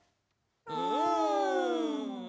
うん。